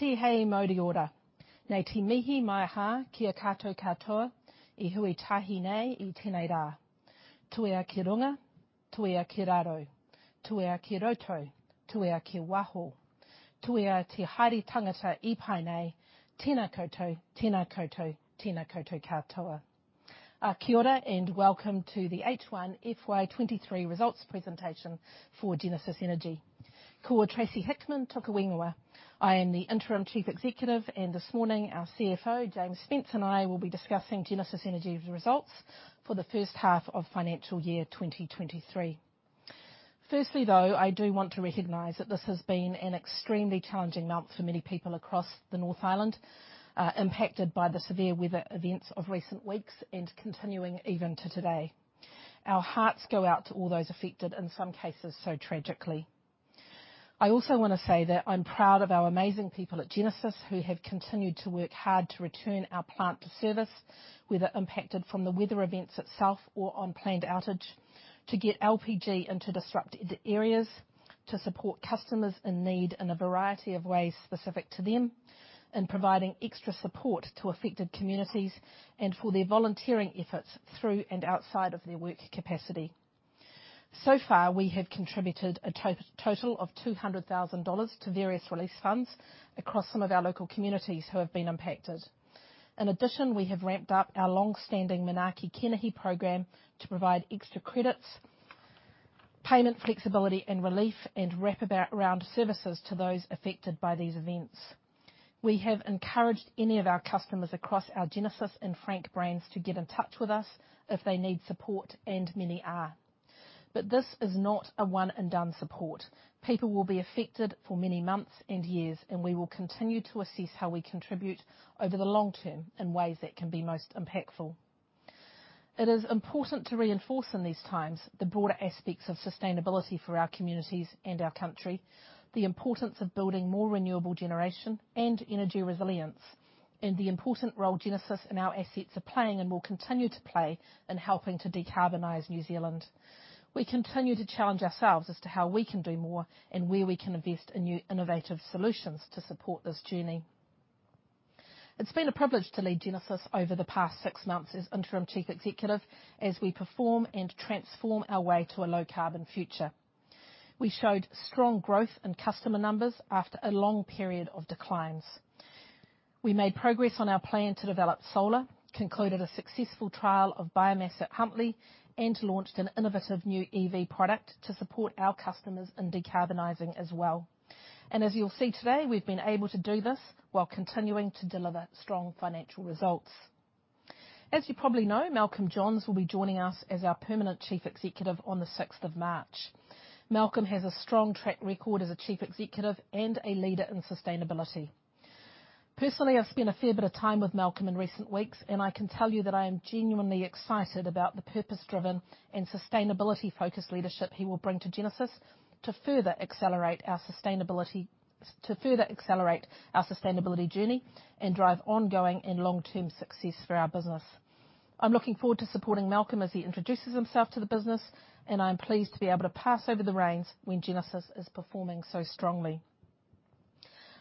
Welcome to the H1 FY 2023 results presentation for Genesis Energy. Call Tracey Hickman, I am the Interim Chief Executive. This morning, our CFO, James Spence, and I will be discussing Genesis Energy's results for the first half of financial year 2023. Firstly, though, I do want to recognize that this has been an extremely challenging month for many people across the North Island, impacted by the severe weather events of recent weeks and continuing even to today. Our hearts go out to all those affected, in some cases, so tragically. I also wanna say that I'm proud of our amazing people at Genesis who have continued to work hard to return our plant to service, whether impacted from the weather events itself or on planned outage to get LPG into disrupted areas, to support customers in need in a variety of ways specific to them, in providing extra support to affected communities, and for their volunteering efforts through and outside of their work capacity. We have contributed a total of 200,000 dollars to various relief funds across some of our local communities who have been impacted. In addition, we have ramped up our long-standing Manaaki Kenehi program to provide extra credits, payment flexibility and relief, and wrap around services to those affected by these events. We have encouraged any of our customers across our Genesis and Frank brands to get in touch with us if they need support, and many are. This is not a one and done support. People will be affected for many months and years, and we will continue to assess how we contribute over the long term in ways that can be most impactful. It is important to reinforce in these times the broader aspects of sustainability for our communities and our country, the importance of building more renewable generation and energy resilience, and the important role Genesis and our assets are playing and will continue to play in helping to decarbonize New Zealand. We continue to challenge ourselves as to how we can do more and where we can invest in new innovative solutions to support this journey. It's been a privilege to lead Genesis Energy over the past six months as Interim Chief Executive as we perform and transform our way to a low-carbon future. We showed strong growth in customer numbers after a long period of declines. We made progress on our plan to develop solar, concluded a successful trial of biomass at Huntly and launched an innovative new EV product to support our customers in decarbonizing as well. As you'll see today, we've been able to do this while continuing to deliver strong financial results. As you probably know, Malcolm Johns will be joining us as our permanent Chief Executive on the 6th of March. Malcolm has a strong track record as a chief executive and a leader in sustainability. Personally, I've spent a fair bit of time with Malcolm in recent weeks, I can tell you that I am genuinely excited about the purpose-driven and sustainability focused leadership he will bring to Genesis to further accelerate our sustainability journey and drive ongoing and long-term success for our business. I'm looking forward to supporting Malcolm as he introduces himself to the business, I'm pleased to be able to pass over the reins when Genesis is performing so strongly.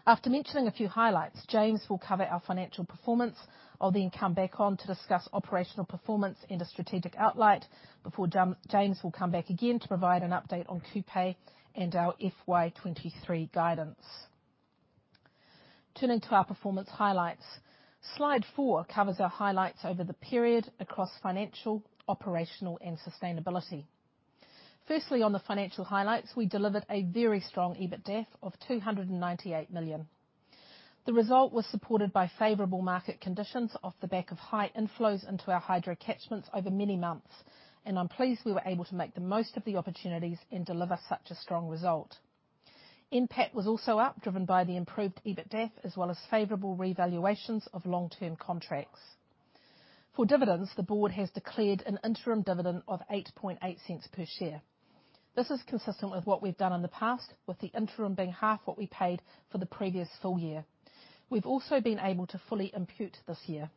After mentioning a few highlights, James will cover our financial performance. I'll then come back on to discuss operational performance and a strategic outlook before James will come back again to provide an update on Kupe and our FY 2023 guidance. Turning to our performance highlights. Slide 4 covers our highlights over the period across financial, operational and sustainability. Firstly, on the financial highlights, we delivered a very strong EBITDAF of 298 million. The result was supported by favorable market conditions off the back of high inflows into our hydro catchments over many months. I'm pleased we were able to make the most of the opportunities and deliver such a strong result. NPAT was also up, driven by the improved EBITDAF, as well as favorable revaluations of long-term contracts. For dividends, the Board has declared an interim dividend of 0.088 per share. This is consistent with what we've done in the past, with the interim being half what we paid for the previous full year. We've also been able to fully impute this year.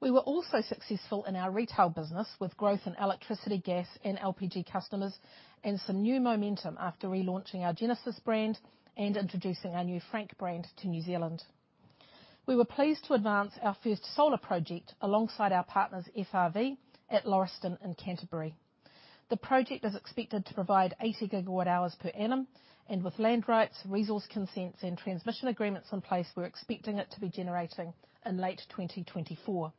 We were also successful in our retail business with growth in electricity, gas, and LPG customers and some new momentum after relaunching our Genesis brand and introducing our new Frank brand to New Zealand. We were pleased to advance our first solar project alongside our partners, FRV, at Lauriston in Canterbury. The project is expected to provide 80 GWh per annum and with land rights, resource consents and transmission agreements in place, we're expecting it to be generating in late 2024.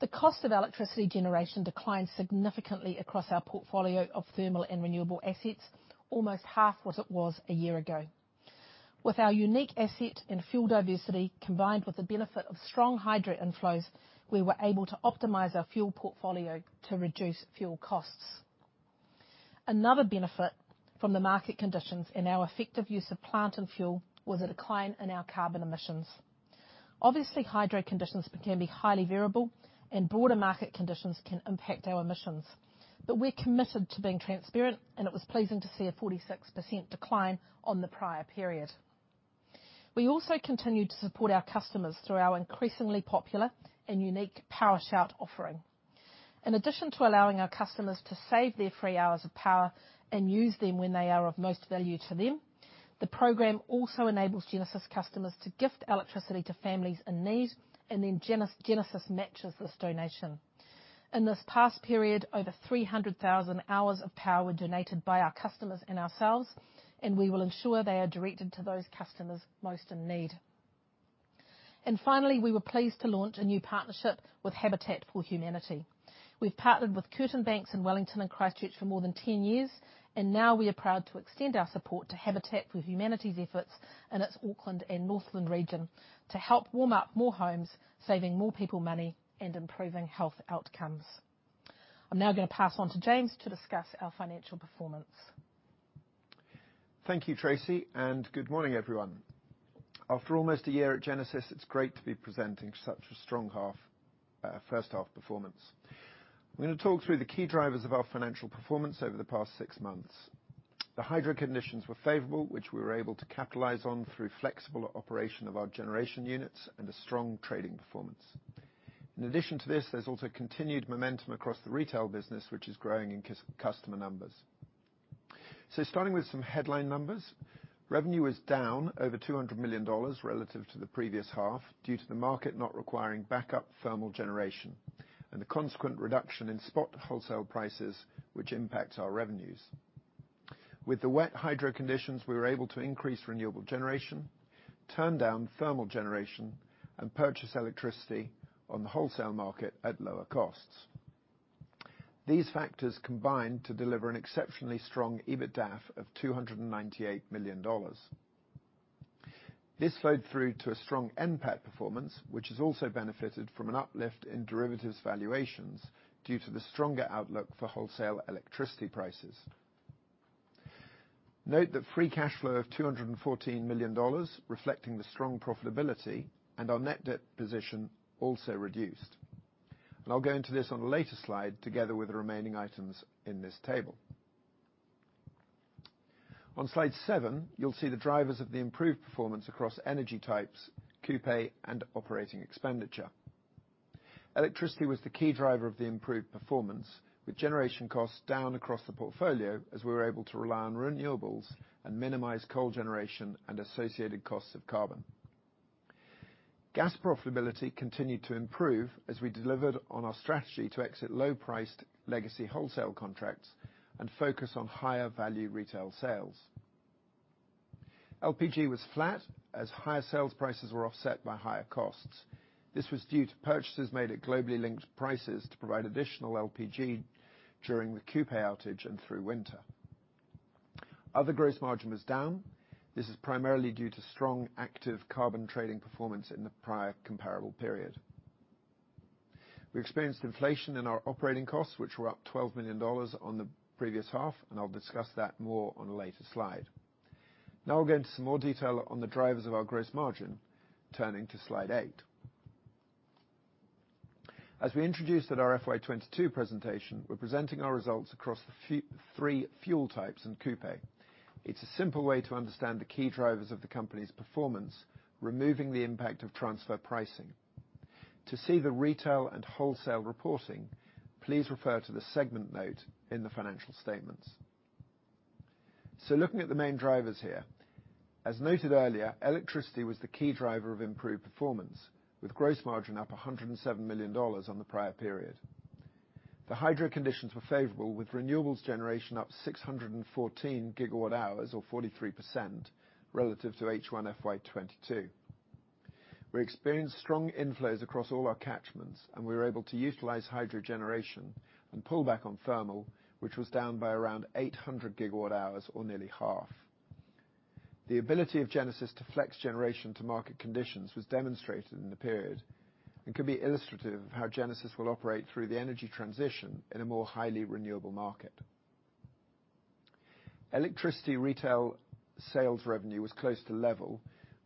The cost of electricity generation declined significantly across our portfolio of thermal and renewable assets, almost half what it was a year ago. With our unique asset and fuel diversity combined with the benefit of strong hydro inflows, we were able to optimize our fuel portfolio to reduce fuel costs. Another benefit from the market conditions and our effective use of plant and fuel was a decline in our carbon emissions. Obviously, hydro conditions can be highly variable and broader market conditions can impact our emissions. We're committed to being transparent, and it was pleasing to see a 46% decline on the prior period. We also continued to support our customers through our increasingly popular and unique Power Shout offering. In addition to allowing our customers to save their free hours of power and use them when they are of most value to them, the program also enables Genesis customers to gift electricity to families in need, and then Genesis matches this donation. In this past period, over 300,000 hours of power were donated by our customers and ourselves, and we will ensure they are directed to those customers most in need. Finally, we were pleased to launch a new partnership with Habitat for Humanity. We've partnered with curtain banks in Wellington and Christchurch for more than 10 years. Now we are proud to extend our support to Habitat for Humanity's efforts in its Auckland and Northland region to help warm up more homes, saving more people money and improving health outcomes. I'm now gonna pass on to James to discuss our financial performance. Thank you, Tracey. Good morning, everyone. After almost a year at Genesis Energy, it's great to be presenting such a strong first half performance. I'm gonna talk through the key drivers of our financial performance over the past six months. The hydro conditions were favorable, which we were able to capitalize on through flexible operation of our generation units and a strong trading performance. In addition to this, there's also continued momentum across the retail business, which is growing in customer numbers. Starting with some headline numbers. Revenue was down over 200 million dollars relative to the previous half due to the market not requiring backup thermal generation and the consequent reduction in spot wholesale prices which impact our revenues. With the wet hydro conditions, we were able to increase renewable generation, turn down thermal generation, and purchase electricity on the wholesale market at lower costs. These factors combined to deliver an exceptionally strong EBITDAF of 298 million dollars. This flowed through to a strong NPAT performance, which has also benefited from an uplift in derivatives valuations due to the stronger outlook for wholesale electricity prices. Note the free cash flow of 214 million dollars reflecting the strong profitability, and our net debt position also reduced. I'll go into this on a later slide together with the remaining items in this table. On Slide 7, you'll see the drivers of the improved performance across energy types, Kupe, and operating expenditure. Electricity was the key driver of the improved performance, with generation costs down across the portfolio as we were able to rely on renewables and minimize coal generation and associated costs of carbon. Gas profitability continued to improve as we delivered on our strategy to exit low-priced legacy wholesale contracts and focus on higher value retail sales. LPG was flat as higher sales prices were offset by higher costs. This was due to purchases made at globally linked prices to provide additional LPG during the Kupe outage and through winter. Other gross margin was down. This is primarily due to strong active carbon trading performance in the prior comparable period. We experienced inflation in our operating costs, which were up 12 million dollars on the previous half, and I'll discuss that more on a later slide. Now I'll go into some more detail on the drivers of our gross margin, turning to Slide 8. As we introduced at our FY 2022 presentation, we're presenting our results across the three fuel types in Kupe. It's a simple way to understand the key drivers of the company's performance, removing the impact of transfer pricing. To see the retail and wholesale reporting, please refer to the segment note in the financial statements. Looking at the main drivers here. As noted earlier, electricity was the key driver of improved performance, with gross margin up 107 million dollars on the prior period. The hydro conditions were favorable, with renewables generation up 614 GWh or 43% relative to H1 FY 2022. We experienced strong inflows across all our catchments, and we were able to utilize hydro generation and pull back on thermal, which was down by around 800 GWh or nearly half. The ability of Genesis to flex generation to market conditions was demonstrated in the period and can be illustrative of how Genesis will operate through the energy transition in a more highly renewable market. Electricity retail sales revenue was close to level,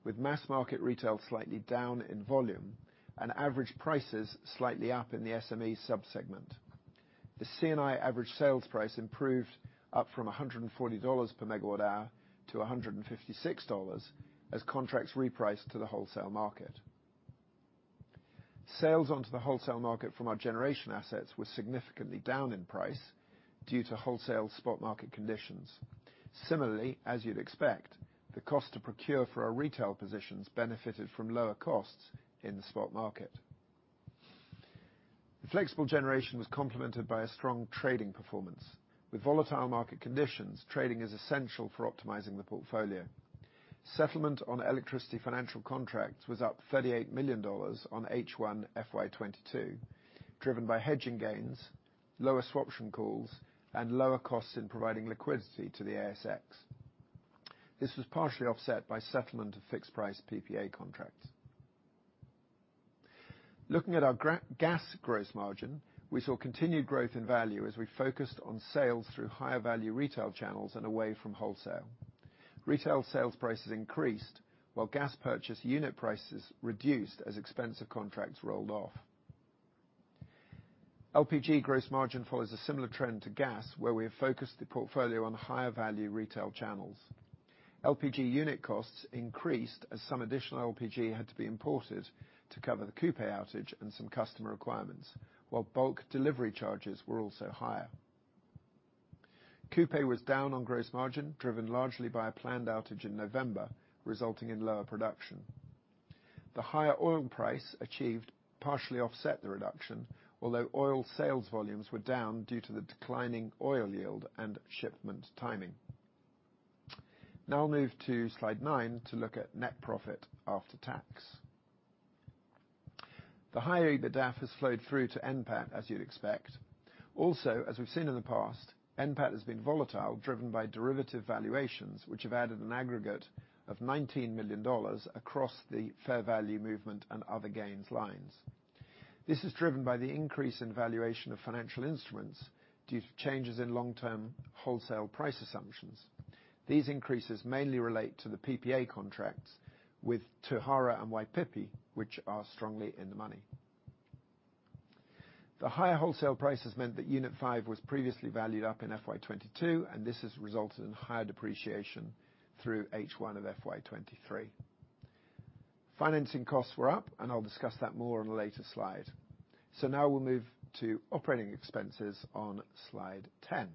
with mass market retail slightly down in volume and average prices slightly up in the SME sub-segment. The C&I average sales price improved up from 140 dollars/MWh to 156 dollars/MWh as contracts repriced to the wholesale market. Sales onto the wholesale market from our generation assets were significantly down in price due to wholesale spot market conditions. Similarly, as you'd expect, the cost to procure for our retail positions benefited from lower costs in the spot market. The flexible generation was complemented by a strong trading performance. With volatile market conditions, trading is essential for optimizing the portfolio. Settlement on electricity financial contracts was up 38 million dollars on H1 FY 2022, driven by hedging gains, lower swaption calls, and lower costs in providing liquidity to the ASX. This was partially offset by settlement of fixed price PPA contracts. Looking at our gas gross margin, we saw continued growth in value as we focused on sales through higher value retail channels and away from wholesale. Retail sales prices increased while gas purchase unit prices reduced as expensive contracts rolled off. LPG gross margin follows a similar trend to gas, where we have focused the portfolio on higher value retail channels. LPG unit costs increased as some additional LPG had to be imported to cover the Kupe outage and some customer requirements, while bulk delivery charges were also higher. Kupe was down on gross margin, driven largely by a planned outage in November, resulting in lower production. The higher oil price achieved partially offset the reduction, although oil sales volumes were down due to the declining oil yield and shipment timing. I'll move to Slide 9 to look at net profit after tax. The higher EBITDAF has flowed through to NPAT, as you'd expect. Also, as we've seen in the past, NPAT has been volatile, driven by derivative valuations, which have added an aggregate of 19 million dollars across the fair value movement and other gains lines. This is driven by the increase in valuation of financial instruments due to changes in long-term wholesale price assumptions. These increases mainly relate to the PPA contracts with Tauhara and Waipipi, which are strongly in the money. The higher wholesale prices meant that Unit 5 was previously valued up in FY 2022, and this has resulted in higher depreciation through H1 of FY 2023. Financing costs were up. I'll discuss that more on a later slide. Now we'll move to operating expenses on Slide 10.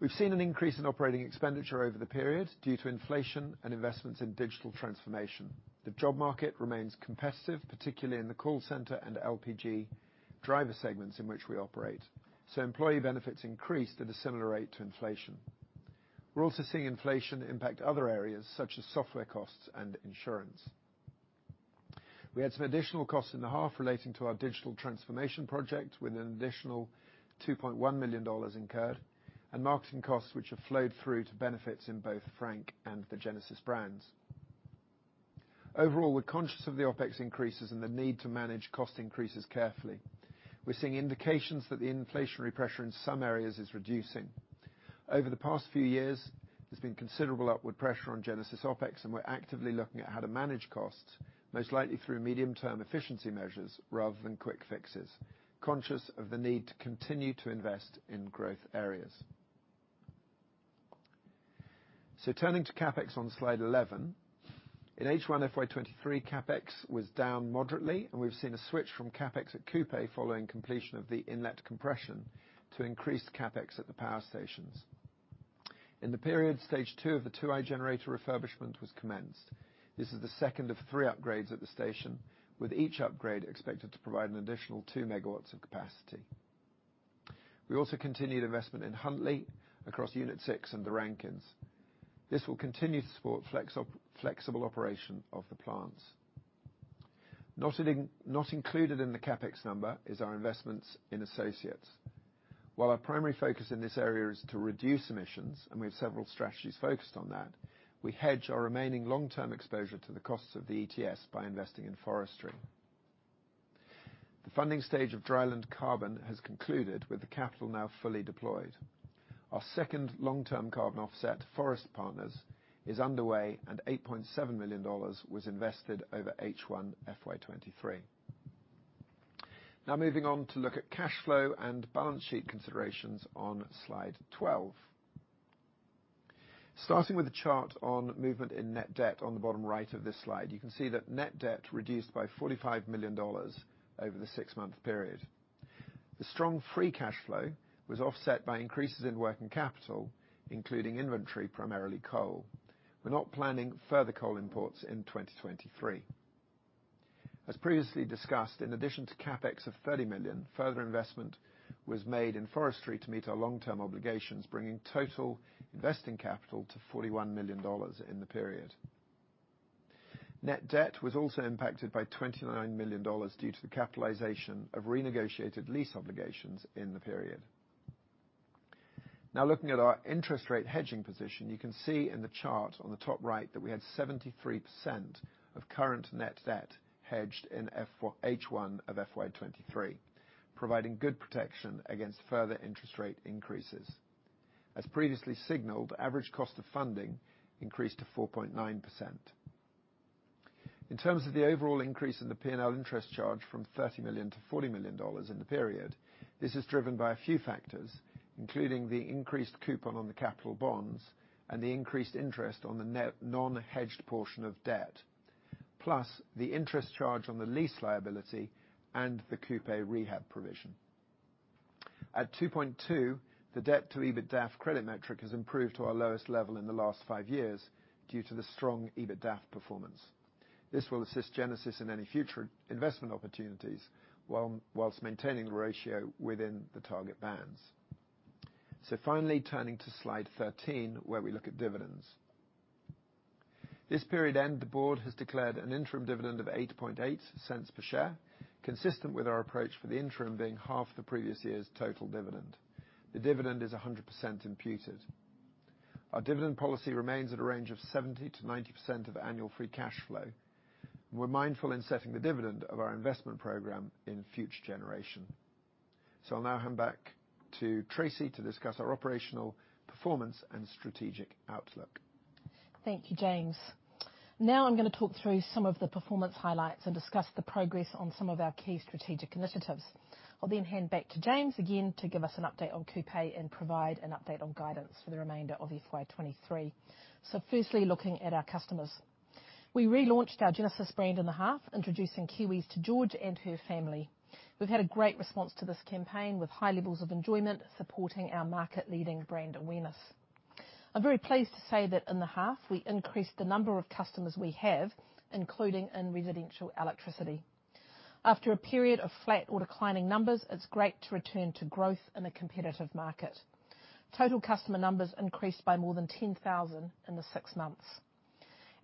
We've seen an increase in operating expenditure over the period due to inflation and investments in digital transformation. The job market remains competitive, particularly in the call center and LPG driver segments in which we operate. Employee benefits increased at a similar rate to inflation. We're also seeing inflation impact other areas such as software costs and insurance. We had some additional costs in the half relating to our digital transformation project, with an additional 2.1 million dollars incurred. Marketing costs, which have flowed through to benefits in both Frank and the Genesis brands. Overall, we're conscious of the OpEx increases and the need to manage cost increases carefully. We're seeing indications that the inflationary pressure in some areas is reducing. Over the past few years, there's been considerable upward pressure on Genesis OpEx, and we're actively looking at how to manage costs, most likely through medium-term efficiency measures rather than quick fixes, conscious of the need to continue to invest in growth areas. Turning to CapEx on Slide 11. In H1 FY 2023, CapEx was down moderately, and we've seen a switch from CapEx at Kupe following completion of the inlet compression to increase CapEx at the power stations. In the period, Stage 2 of the Tiwai generator refurbishment was commenced. This is the second of three upgrades at the station, with each upgrade expected to provide an additional 2 MW of capacity. We also continued investment in Huntly across Unit 6 and the Rankines. This will continue to support flexible operation of the plants. Not included in the CapEx number is our investments in associates. While our primary focus in this area is to reduce emissions, and we have several strategies focused on that, we hedge our remaining long-term exposure to the costs of the ETS by investing in forestry. The funding stage of Drylandcarbon has concluded with the capital now fully deployed. Our second long-term carbon offset, Forest Partners, is underway and 8.7 million dollars was invested over H1 FY 2023. Moving on to look at cash flow and balance sheet considerations on Slide 12. Starting with the chart on movement in net debt on the bottom right of this slide, you can see that net debt reduced by 45 million dollars over the six-month period. The strong free cash flow was offset by increases in working capital, including inventory, primarily coal. We're not planning further coal imports in 2023. As previously discussed, in addition to CapEx of 30 million, further investment was made in forestry to meet our long-term obligations, bringing total investing capital to 41 million dollars in the period. Net debt was also impacted by 29 million dollars due to the capitalization of renegotiated lease obligations in the period. Looking at our interest rate hedging position, you can see in the chart on the top right that we had 73% of current net debt hedged in H1 FY 2023, providing good protection against further interest rate increases. As previously signaled, average cost of funding increased to 4.9%. In terms of the overall increase in the P&L interest charge from 30 million to 40 million dollars in the period, this is driven by a few factors, including the increased coupon on the capital bonds and the increased interest on the net non-hedged portion of debt, plus the interest charge on the lease liability and the Kupe rehab provision. At 2.2, the debt to EBITDAF credit metric has improved to our lowest level in the last five years due to the strong EBITDAF performance. This will assist Genesis in any future investment opportunities, whilst maintaining the ratio within the target bands. Finally, turning to Slide 13, where we look at dividends. This period end, the Board has declared an interim dividend of 0.088 per share, consistent with our approach for the interim being half the previous year's total dividend. The dividend is 100% imputed. Our dividend policy remains at a range of 70%-90% of annual free cash flow. We're mindful in setting the dividend of our investment program in future generation. I'll now hand back to Tracey to discuss our operational performance and strategic outlook. Thank you, James. I'm gonna talk through some of the performance highlights and discuss the progress on some of our key strategic initiatives. I'll then hand back to James again to give us an update on Kupe and provide an update on guidance for the remainder of FY 2023. Firstly, looking at our customers. We relaunched our Genesis brand in the half, introducing Kiwis to George and her family. We've had a great response to this campaign, with high levels of enjoyment supporting our market-leading brand awareness. I'm very pleased to say that in the half, we increased the number of customers we have, including in residential electricity. After a period of flat or declining numbers, it's great to return to growth in a competitive market. Total customer numbers increased by more than 10,000 in the six months.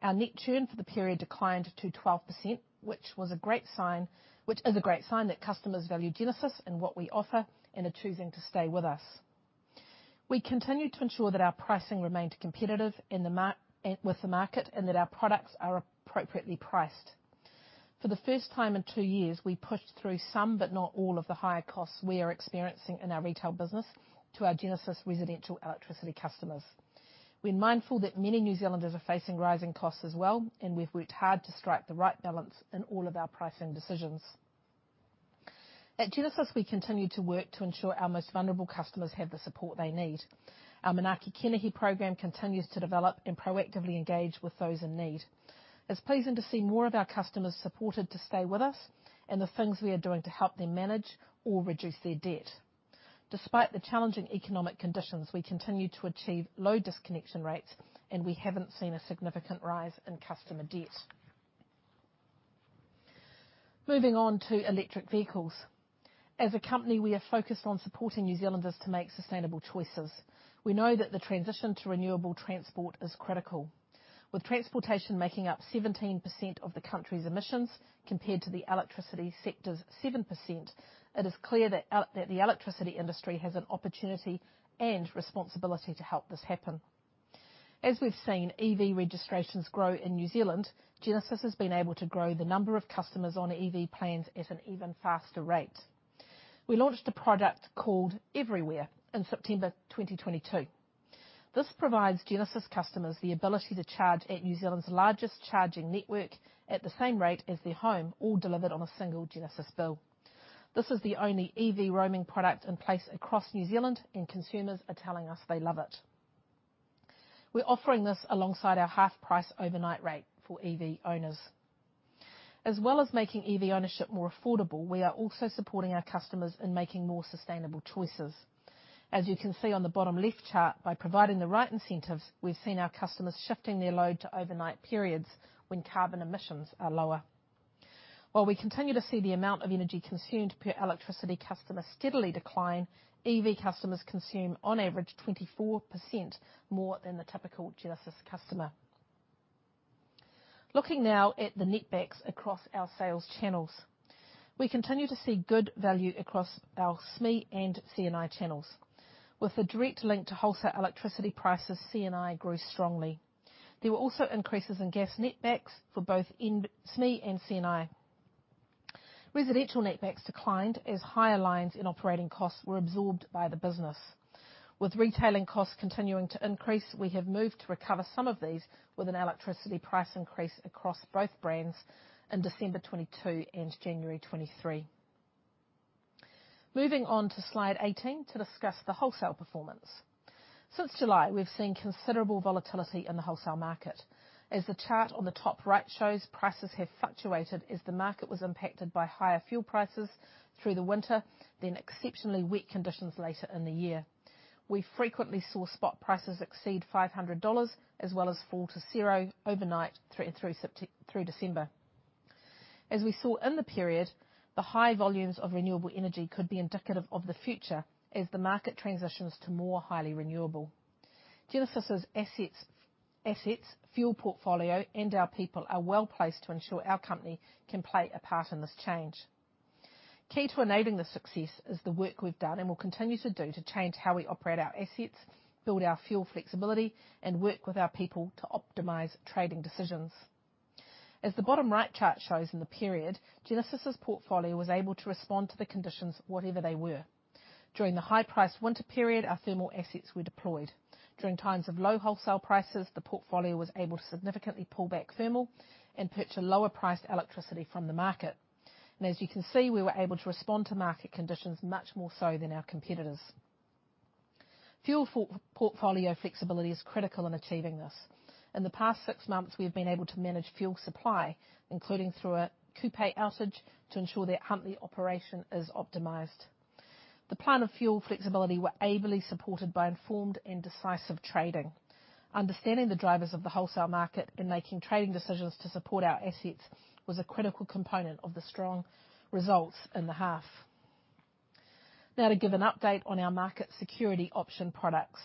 Our net churn for the period declined to 12%, which is a great sign that customers value Genesis and what we offer and are choosing to stay with us. We continued to ensure that our pricing remained competitive with the market and that our products are appropriately priced. For the first time in two years, we pushed through some, but not all of the higher costs we are experiencing in our retail business to our Genesis residential electricity customers. We're mindful that many New Zealanders are facing rising costs as well, and we've worked hard to strike the right balance in all of our pricing decisions. At Genesis, we continue to work to ensure our most vulnerable customers have the support they need. Our Manaaki Kenehi program continues to develop and proactively engage with those in need. It's pleasing to see more of our customers supported to stay with us and the things we are doing to help them manage or reduce their debt. Despite the challenging economic conditions, we continue to achieve low disconnection rates, and we haven't seen a significant rise in customer debt. Moving on to electric vehicles. As a company, we are focused on supporting New Zealanders to make sustainable choices. We know that the transition to renewable transport is critical, with transportation making up 17% of the country's emissions compared to the electricity sector's 7%. It is clear that the electricity industry has an opportunity and responsibility to help this happen. As we've seen EV registrations grow in New Zealand, Genesis has been able to grow the number of customers on EV plans at an even faster rate. We launched a product called EVerywhere in September 2022. This provides Genesis customers the ability to charge at New Zealand's largest charging network at the same rate as their home, all delivered on a single Genesis bill. This is the only EV roaming product in place across New Zealand, and consumers are telling us they love it. We're offering this alongside our half-price overnight rate for EV owners. As well as making EV ownership more affordable, we are also supporting our customers in making more sustainable choices. As you can see on the bottom left chart, by providing the right incentives, we've seen our customers shifting their load to overnight periods when carbon emissions are lower. While we continue to see the amount of energy consumed per electricity customer steadily decline, EV customers consume on average 24% more than the typical Genesis customer. Looking now at the net backs across our sales channels. We continue to see good value across our SME and C&I channels. With the direct link to wholesale electricity prices, C&I grew strongly. There were also increases in gas net backs for both in SME and C&I. Residential net backs declined as higher lines in operating costs were absorbed by the business. With retailing costs continuing to increase, we have moved to recover some of these with an electricity price increase across both brands in December 2022 and January 2023. Moving on to Slide 18 to discuss the wholesale performance. Since July, we've seen considerable volatility in the wholesale market. As the chart on the top right shows, prices have fluctuated as the market was impacted by higher fuel prices through the winter, then exceptionally wet conditions later in the year. We frequently saw spot prices exceed 500 dollars, as well as fall to zero overnight through December. As we saw in the period, the high volumes of renewable energy could be indicative of the future as the market transitions to more highly renewable. Genesis' assets, fuel portfolio and our people are well placed to ensure our company can play a part in this change. Key to enabling this success is the work we've done and will continue to do to change how we operate our assets, build our fuel flexibility, and work with our people to optimize trading decisions. As the bottom right chart shows in the period, Genesis' portfolio was able to respond to the conditions, whatever they were. During the high-priced winter period, our thermal assets were deployed. During times of low wholesale prices, the portfolio was able to significantly pull back thermal and purchase lower priced electricity from the market. As you can see, we were able to respond to market conditions much more so than our competitors. Fuel portfolio flexibility is critical in achieving this. In the past six months, we have been able to manage fuel supply, including through a Kupe outage, to ensure that Huntly operation is optimized. The plan of fuel flexibility were ably supported by informed and decisive trading. Understanding the drivers of the wholesale market and making trading decisions to support our assets was a critical component of the strong results in the half. To give an update on our Market Security Option products.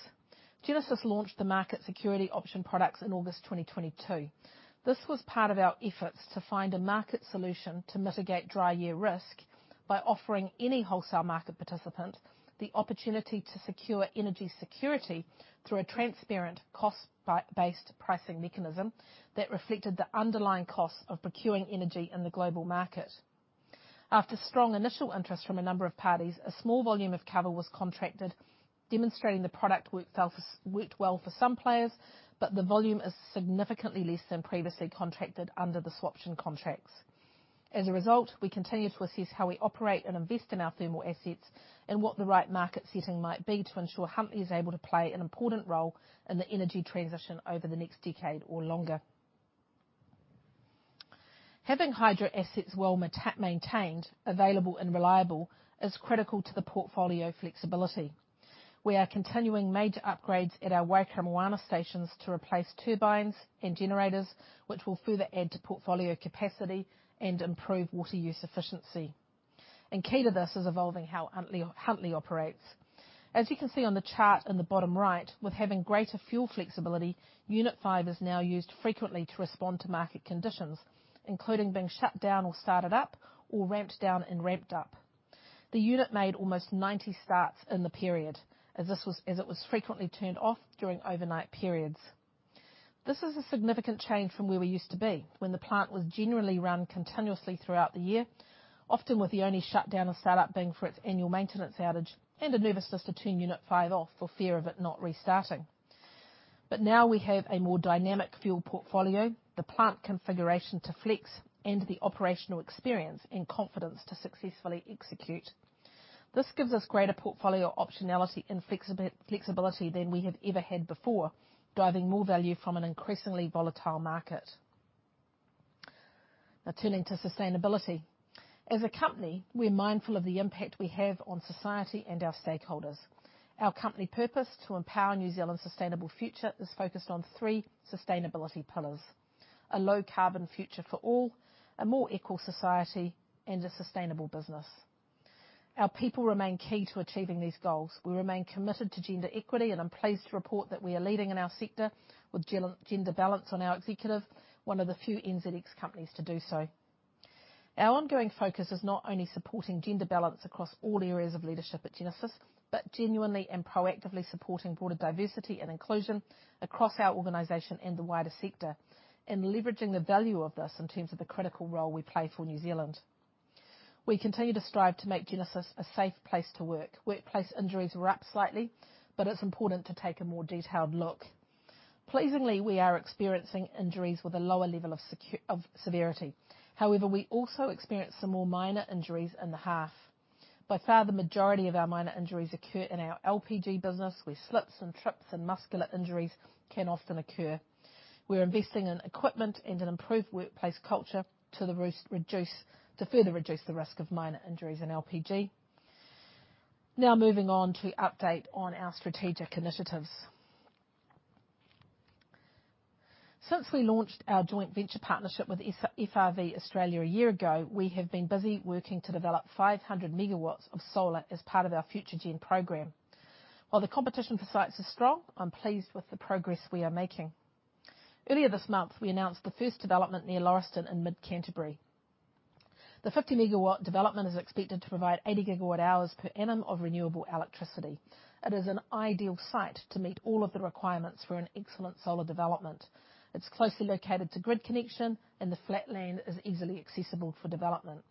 Genesis launched the Market Security Option products in August 2022. This was part of our efforts to find a market solution to mitigate dry year risk by offering any wholesale market participant the opportunity to secure energy security through a transparent cost based pricing mechanism that reflected the underlying cost of procuring energy in the global market. After strong initial interest from a number of parties, a small volume of coal was contracted, demonstrating the product worked well for some players, but the volume is significantly less than previously contracted under the swaption contracts. We continue to assess how we operate and invest in our thermal assets and what the right market setting might be to ensure Huntly is able to play an important role in the energy transition over the next decade or longer. Having hydro assets well maintained, available and reliable is critical to the portfolio flexibility. We are continuing major upgrades at our Waikaremoana stations to replace turbines and generators, which will further add to portfolio capacity and improve water use efficiency. Key to this is evolving how Huntly operates. As you can see on the chart in the bottom right, with having greater fuel flexibility, Unit 5 is now used frequently to respond to market conditions, including being shut down or started up, or ramped down and ramped up. The unit made almost 90 starts in the period as it was frequently turned off during overnight periods. This is a significant change from where we used to be when the plant was generally run continuously throughout the year, often with the only shutdown or startup being for its annual maintenance outage and a nervousness to turn Unit 5 off for fear of it not restarting. Now we have a more dynamic fuel portfolio, the plant configuration to flex, and the operational experience and confidence to successfully execute. This gives us greater portfolio optionality and flexibility than we have ever had before, driving more value from an increasingly volatile market. Now turning to sustainability. As a company, we're mindful of the impact we have on society and our stakeholders. Our company purpose to empower New Zealand's sustainable future is focused on three sustainability pillars: a low carbon future for all, a more equal society, and a sustainable business. Our people remain key to achieving these goals. We remain committed to gender equity, and I'm pleased to report that we are leading in our sector with gender balance on our executive, one of the few NZX companies to do so. Our ongoing focus is not only supporting gender balance across all areas of leadership at Genesis, but genuinely and proactively supporting broader diversity and inclusion across our organization and the wider sector, and leveraging the value of this in terms of the critical role we play for New Zealand. We continue to strive to make Genesis a safe place to work. Workplace injuries were up slightly, but it's important to take a more detailed look. Pleasingly, we are experiencing injuries with a lower level of severity. However, we also experienced some more minor injuries in the half. By far, the majority of our minor injuries occur in our LPG business, where slips and trips and muscular injuries can often occur. We're investing in equipment and an improved workplace culture to further reduce the risk of minor injuries in LPG. Moving on to update on our strategic initiatives. Since we launched our joint venture partnership with FRV Australia a year ago, we have been busy working to develop 500 MW of solar as part of our Future-gen programme. While the competition for sites is strong, I'm pleased with the progress we are making. Earlier this month, we announced the first development near Lauriston in Mid-Canterbury. The 50 MW development is expected to provide 80 GWh per annum of renewable electricity. It is an ideal site to meet all of the requirements for an excellent solar development. It's closely located to grid connection, and the flat land is easily accessible for development.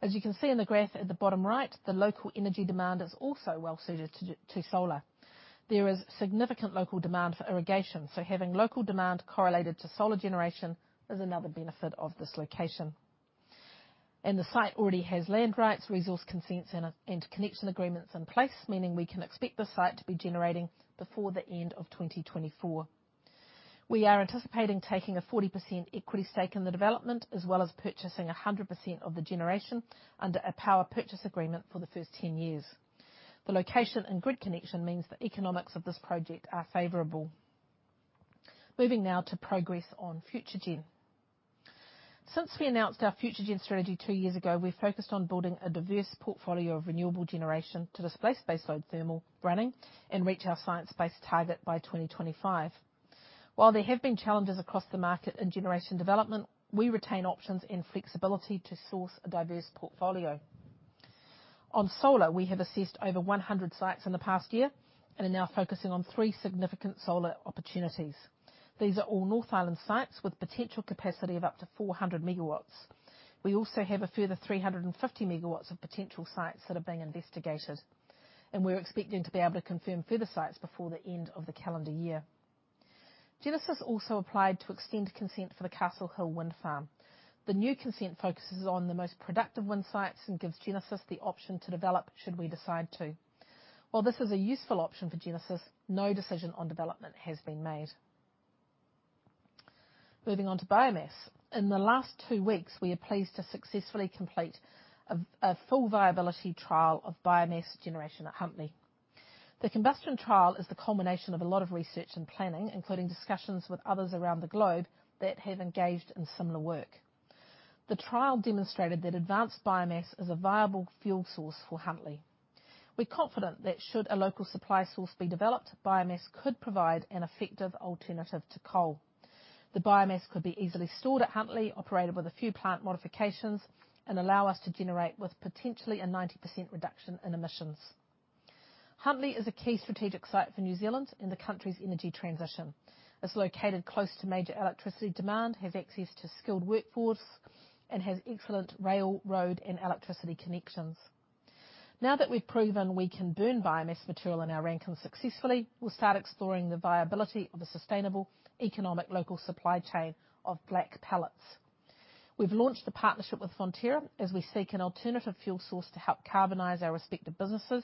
As you can see in the graph at the bottom right, the local energy demand is also well suited to solar. There is significant local demand for irrigation, so having local demand correlated to solar generation is another benefit of this location. The site already has land rights, resource consents, and connection agreements in place, meaning we can expect the site to be generating before the end of 2024. We are anticipating taking a 40% equity stake in the development, as well as purchasing 100% of the generation under a power purchase agreement for the first 10 years. The location and grid connection means the economics of this project are favorable. Moving now to progress on Future-gen. Since we announced our Future-gen strategy two years ago, we've focused on building a diverse portfolio of renewable generation to displace baseload thermal running and reach our science-based target by 2025. While there have been challenges across the market in generation development, we retain options and flexibility to source a diverse portfolio. On solar, we have assessed over 100 sites in the past year and are now focusing on three significant solar opportunities. These are all North Island sites with potential capacity of up to 400 MW. We also have a further 350 MW of potential sites that are being investigated, and we're expecting to be able to confirm further sites before the end of the calendar year. Genesis also applied to extend consent for the Castle Hill Wind Farm. The new consent focuses on the most productive wind sites and gives Genesis the option to develop should we decide to. While this is a useful option for Genesis, no decision on development has been made. Moving on to biomass. In the last two weeks, we are pleased to successfully complete a full viability trial of biomass generation at Huntly. The combustion trial is the culmination of a lot of research and planning, including discussions with others around the globe that have engaged in similar work. The trial demonstrated that advanced biomass is a viable fuel source for Huntly. We're confident that should a local supply source be developed, biomass could provide an effective alternative to coal. The biomass could be easily stored at Huntly, operated with a few plant modifications, and allow us to generate with potentially a 90% reduction in emissions. Huntly is a key strategic site for New Zealand and the country's energy transition. It's located close to major electricity demand, has access to skilled workforce, and has excellent railroad and electricity connections. Now that we've proven we can burn biomass material in our Rankine successfully, we'll start exploring the viability of a sustainable economic local supply chain of black pellets. We've launched a partnership with Fonterra as we seek an alternative fuel source to help carbonize our respective businesses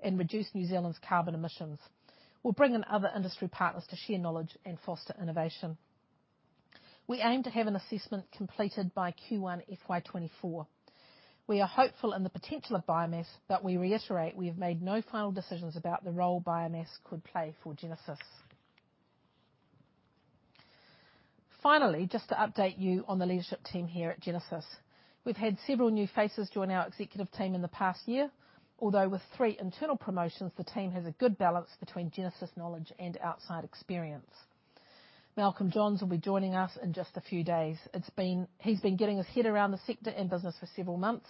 and reduce New Zealand's carbon emissions. We'll bring in other industry partners to share knowledge and foster innovation. We aim to have an assessment completed by Q1 FY 2024. We are hopeful in the potential of biomass, but we reiterate we have made no final decisions about the role biomass could play for Genesis. Finally, just to update you on the leadership team here at Genesis. We've had several new faces join our executive team in the past year. Although with three internal promotions, the team has a good balance between Genesis knowledge and outside experience. Malcolm Johns will be joining us in just a few days. He's been getting his head around the sector and business for several months.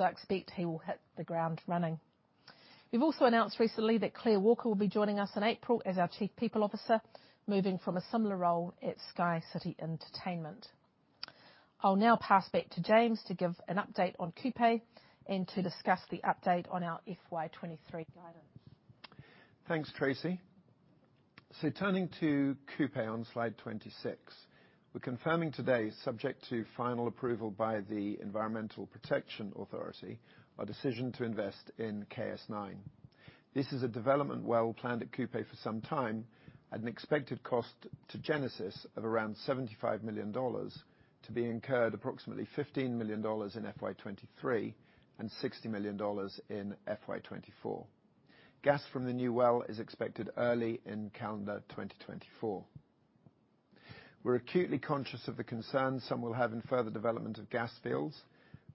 I expect he will hit the ground running. We've also announced recently that Claire Walker will be joining us in April as our Chief People Officer, moving from a similar role at SkyCity Entertainment. I'll now pass back to James to give an update on Kupe and to discuss the update on our FY 2023 guidance. Thanks, Tracey. Turning to Kupe on Slide 26. We're confirming today, subject to final approval by the Environmental Protection Authority, our decision to invest in KS-9. This is a development well planned at Kupe for some time at an expected cost to Genesis of around 75 million dollars to be incurred, approximately 15 million dollars in FY 2023 and 60 million dollars in FY 2024. Gas from the new well is expected early in calendar 2024. We're acutely conscious of the concerns some will have in further development of gas fields,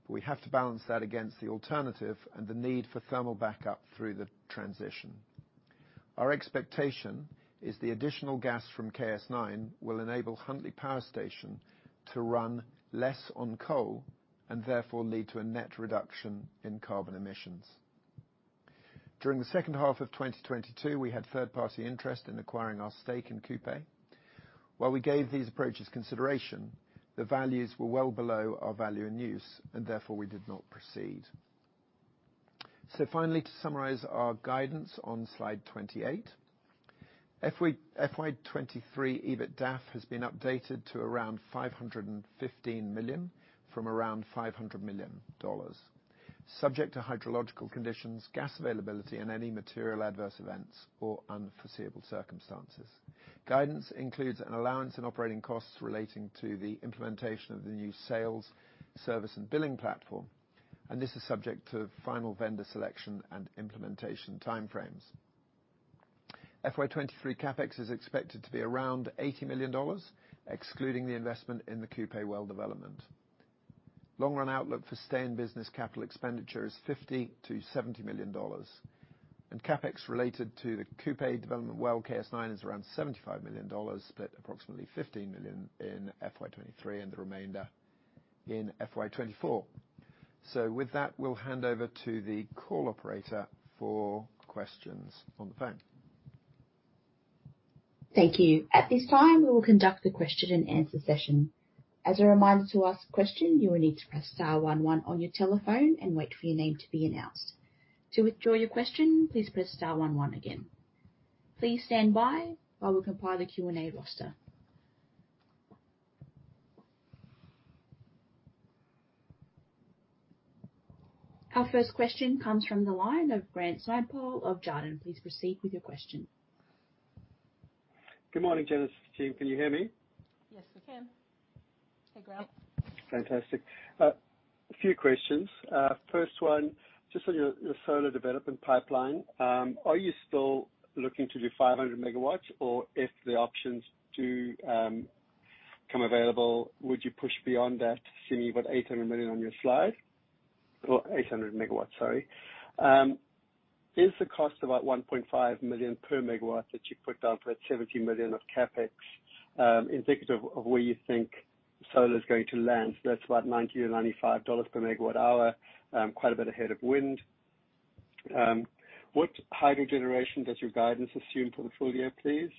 but we have to balance that against the alternative and the need for thermal backup through the transition. Our expectation is the additional gas from KS-9 will enable Huntly Power Station to run less on coal, and therefore lead to a net reduction in carbon emissions. During the second half of 2022, we had third-party interest in acquiring our stake in Kupe. While we gave these approaches consideration, the values were well below our value and use, and therefore we did not proceed. Finally, to summarize our guidance on Slide 28. FY 2023 EBITDAF has been updated to around 515 million from around 500 million dollars. Subject to hydrological conditions, gas availability, and any material adverse events or unforeseeable circumstances. Guidance includes an allowance in operating costs relating to the implementation of the new sales, service and billing platform, and this is subject to final vendor selection and implementation time frames. FY 2023 CapEx is expected to be around 80 million dollars, excluding the investment in the Kupe well development. Long-run outlook for stay in business capital expenditure is 50 million-70 million dollars. CapEx related to the Kupe development well, KS-9, is around 75 million dollars, split approximately 15 million in FY 2023 and the remainder in FY 2024. With that, we'll hand over to the call operator for questions on the phone. Thank you. At this time, we will conduct the question and answer session. As a reminder to ask a question, you will need to press star one one on your telephone and wait for your name to be announced. To withdraw your question, please press star one one again. Please stand by while we compile a Q&A roster. Our first question comes from the line of Grant Swanepoel of Jarden. Please proceed with your question. Good morning, Genesis team. Can you hear me? Yes, we can. Hey, Grant. Fantastic. A few questions. First one, just on your solar development pipeline, are you still looking to do 500 MW? If the options do come available, would you push beyond that, assuming you've got 800 million on your slide? 800 MW, sorry. Is the cost about 1.5 million per megawatt that you put down for that 70 million of CapEx indicative of where you think solar is going to land? That's about 90/MWh-95 dollars/MWh, quite a bit ahead of wind. What hydro generation does your guidance assume for the full year, please?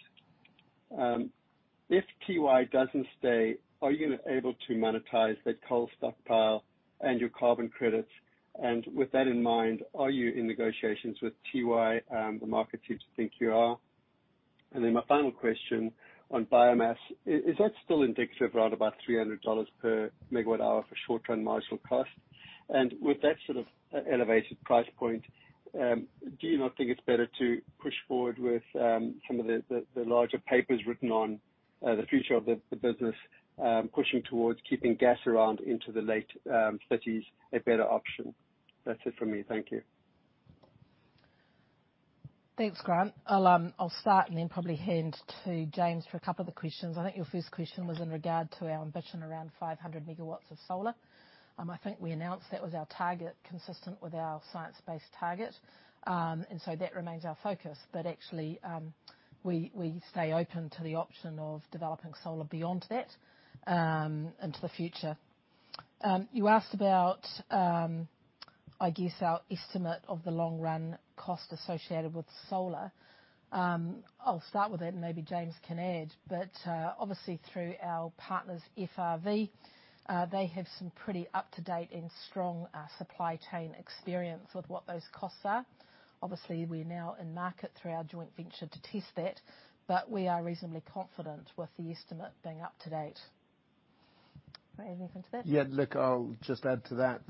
If Tiwai doesn't stay, are you gonna able to monetize that coal stockpile and your carbon credits? With that in mind, are you in negotiations with Tiwai, the market you think you are? My final question on biomass, is that still indicative around 300 dollars/MWh for short-term marginal cost? With that sort of elevated price point, do you not think it's better to push forward with some of the larger papers written on the future of the business, pushing towards keeping gas around into the late 2030s a better option? That's it for me. Thank you. Thanks, Grant. I'll start and then probably hand to James for a couple of the questions. I think your first question was in regard to our ambition around 500 MW of solar. I think we announced that was our target, consistent with our science-based target. And so that remains our focus. Actually, we stay open to the option of developing solar beyond that into the future. You asked about, I guess our estimate of the long run cost associated with solar. I'll start with it, and maybe James can add. Obviously through our partners, FRV, they have some pretty up-to-date and strong supply chain experience with what those costs are. Obviously, we're now in market through our joint venture to test that, but we are reasonably confident with the estimate being up to date. Want to add anything to that? Yeah. Look, I'll just add to that,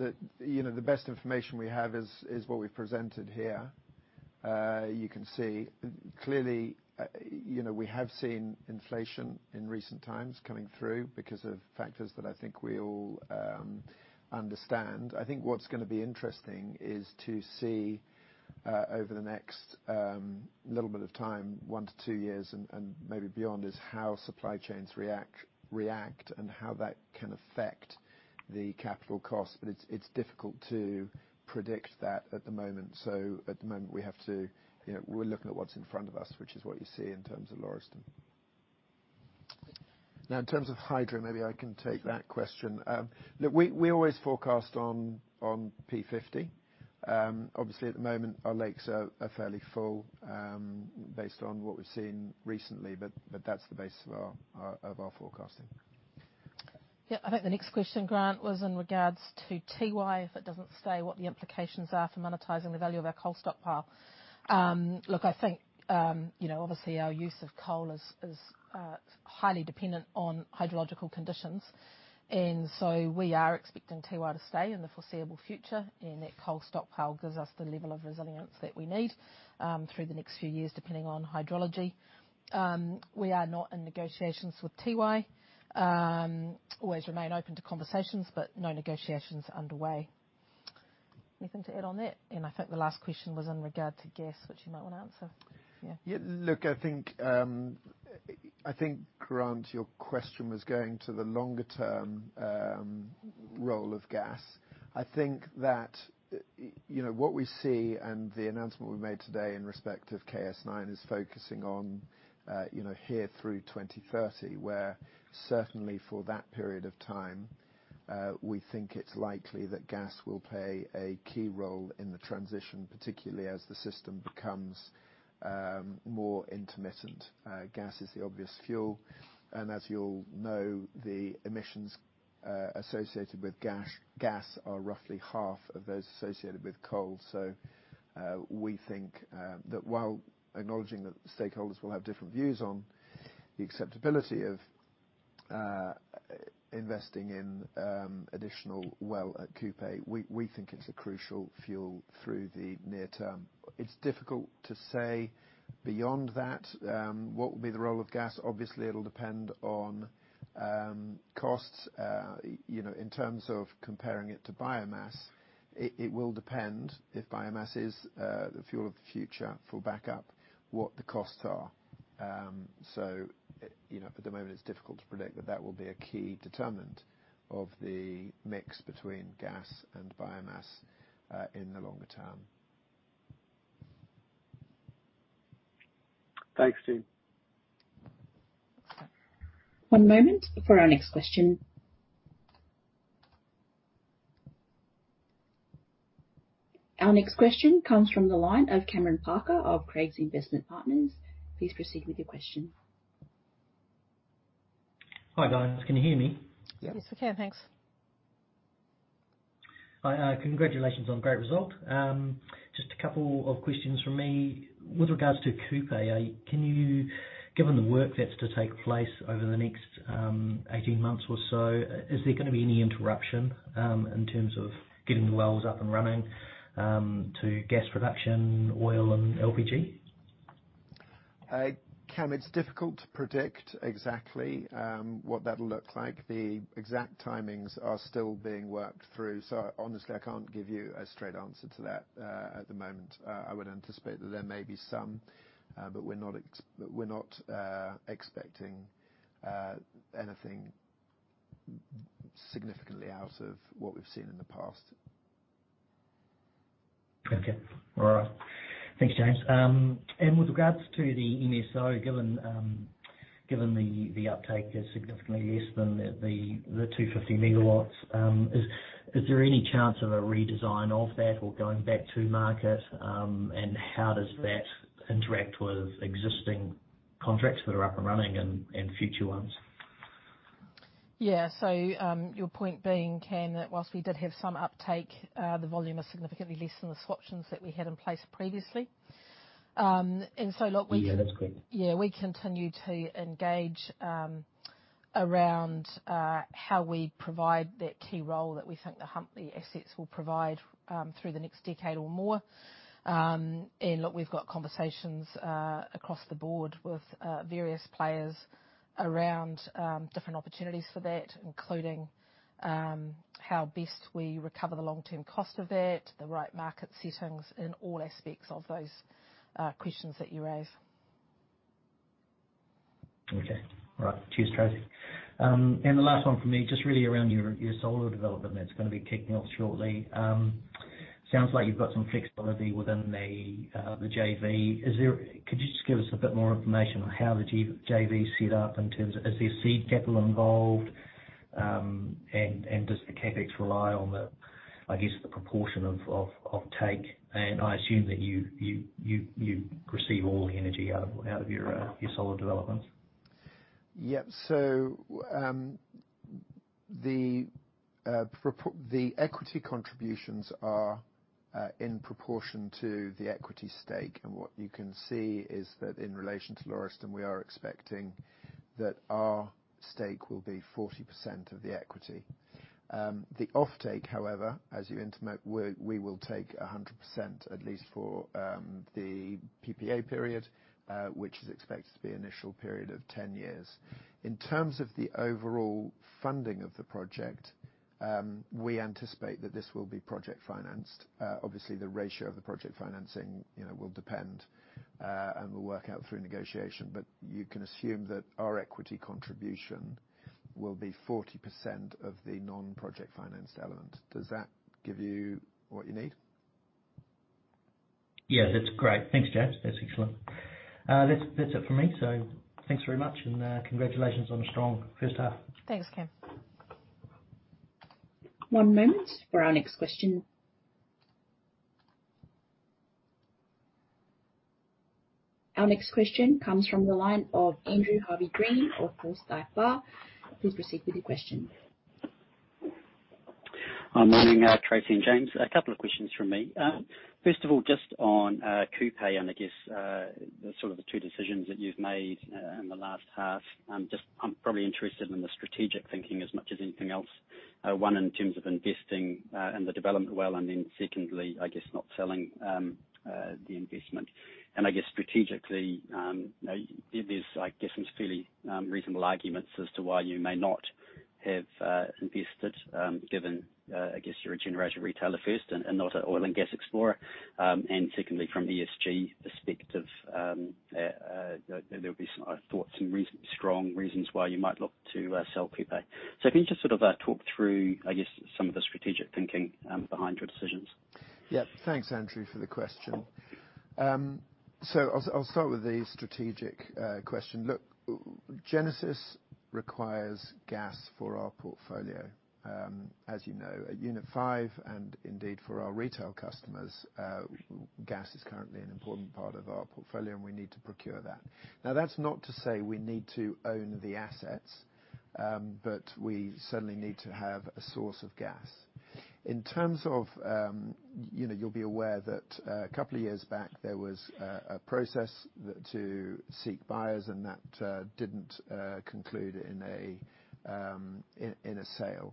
you know, the best information we have is what we've presented here. You can see clearly, you know, we have seen inflation in recent times coming through because of factors that I think we all understand. I think what's gonna be interesting is to see over the next little bit of time, one to two years and maybe beyond, is how supply chains react and how that can affect the capital cost. It's difficult to predict that at the moment. At the moment, we have to, you know, we're looking at what's in front of us, which is what you see in terms of Lauriston. In terms of hydro, maybe I can take that question. Look, we always forecast on P50. Obviously at the moment, our lakes are fairly full, based on what we've seen recently, but that's the base of our forecasting. Yeah. I think the next question, Grant, was in regards to Tiwai. If it doesn't stay, what the implications are for monetizing the value of our coal stockpile. Look, I think, you know, obviously our use of coal is highly dependent on hydrological conditions. So we are expecting Tiwai to stay in the foreseeable future, and that coal stockpile gives us the level of resilience that we need, through the next few years, depending on hydrology. We are not in negotiations with Tiwai. Always remain open to conversations, but no negotiations underway. Anything to add on that? I think the last question was in regard to gas, which you might want to answer. Yeah. Yeah. Look, I think, I think, Grant, your question was going to the longer-term role of gas. I think that, you know, what we see and the announcement we made today in respect of KS-9 is focusing on, you know, here through 2030, where certainly for that period of time, we think it's likely that gas will play a key role in the transition, particularly as the system becomes more intermittent. Gas is the obvious fuel, and as you'll know, the emissions associated with gas are roughly half of those associated with coal. We think that while acknowledging that stakeholders will have different views on the acceptability of investing in additional well at Kupe, we think it's a crucial fuel through the near term. It's difficult to say beyond that, what will be the role of gas. It'll depend on costs. You know, in terms of comparing it to biomass, it will depend if biomass is the fuel of the future for backup, what the costs are. You know, at the moment it's difficult to predict, but that will be a key determinant of the mix between gas and biomass in the longer term. Thanks, team. One moment for our next question. Our next question comes from the line of Cameron Parker of Craigs Investment Partners. Please proceed with your question. Hi, guys. Can you hear me? Yes. Yeah. Yes, we can. Thanks. Hi. Congratulations on great result. Just a couple of questions from me. With regards to Kupe, can you, given the work that's to take place over the next 18 months or so, is there gonna be any interruption in terms of getting the wells up and running to gas production, oil and LPG? Cam, it's difficult to predict exactly what that'll look like. The exact timings are still being worked through. Honestly, I can't give you a straight answer to that at the moment. I would anticipate that there may be some, but we're not expecting anything significantly out of what we've seen in the past. Okay. All right. Thanks, James. With regards to the MSO, given the uptake is significantly less than the 250 MW, is there any chance of a redesign of that or going back to market? How does that interact with existing contracts that are up and running and future ones? Yeah. Your point being, Cam, that whilst we did have some uptake, the volume is significantly less than the swaptions that we had in place previously. Look. Yeah, that's correct. Yeah. We continue to engage around how we provide that key role that we think the Huntly assets will provide through the next decade or more. Look, we've got conversations across the board with various players around different opportunities for that, including how best we recover the long-term cost of it, the right market settings, and all aspects of those questions that you raise. Okay. All right. Cheers, Tracey. The last one from me, just really around your solar development that's going to be kicking off shortly. Sounds like you've got some flexibility within the JV. Could you just give us a bit more information on how the JV is set up in terms of is there seed capital involved? Does the CapEx rely on the, I guess, the proportion of take? I assume that you receive all the energy out of your solar developments. Yep. The equity contributions are in proportion to the equity stake. What you can see is that in relation to Lauriston, we are expecting that our stake will be 40% of the equity. The offtake, however, as you intimate, we will take 100% at least for the PPA period, which is expected to be initial period of 10 years. In terms of the overall funding of the project, we anticipate that this will be project financed. Obviously, the ratio of the project financing, you know, will depend, and we'll work out through negotiation, but you can assume that our equity contribution will be 40% of the non-project financed element. Does that give you what you need? Yeah, that's great. Thanks, James. That's excellent. That's it for me. Thanks very much, and congratulations on a strong first half. Thanks, Cam. One moment for our next question. Our next question comes from the line of Andrew Harvey-Green of Forsyth Barr. Please proceed with your question. Hi, morning, Tracey and James. A couple of questions from me. First of all, just on Kupe and I guess the sort of the two decisions that you've made in the last half. I'm probably interested in the strategic thinking as much as anything else. One, in terms of investing in the development well, and then secondly, I guess not selling the investment. I guess strategically, you know, there's, I guess, some fairly reasonable arguments as to why you may not have invested, given, I guess you're a generation retailer first and not an oil and gas explorer. Secondly, from ESG perspective, there will be some, I thought, some strong reasons why you might look to sell Kupe. Can you just sort of, talk through, I guess, some of the strategic thinking, behind your decisions? Thanks, Andrew, for the question. I'll start with the strategic question. Look, Genesis requires gas for our portfolio. As you know, at Unit 5 and indeed for our retail customers, gas is currently an important part of our portfolio, and we need to procure that. Now, that's not to say we need to own the assets, but we certainly need to have a source of gas. In terms of, you know, you'll be aware that a couple of years back, there was a process to seek buyers, and that didn't conclude in a sale.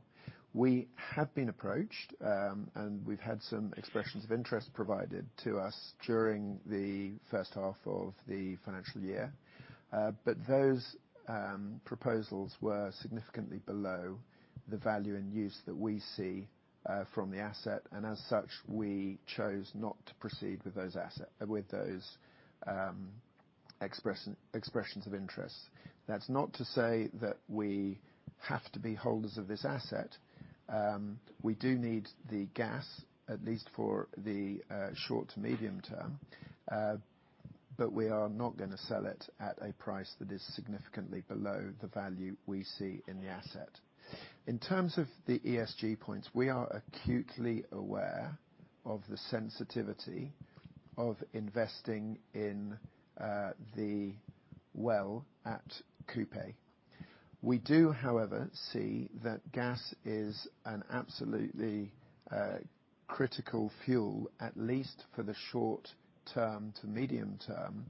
We have been approached, and we've had some expressions of interest provided to us during the first half of the financial year. But those proposals were significantly below the value and use that we see from the asset. As such, we chose not to proceed with those expressions of interest. That's not to say that we have to be holders of this asset. We do need the gas, at least for the short to medium term, but we are not gonna sell it at a price that is significantly below the value we see in the asset. In terms of the ESG points, we are acutely aware of the sensitivity of investing in the well at Kupe. We do, however, see that gas is an absolutely critical fuel, at least for the short term to medium term,